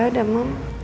gak ada mam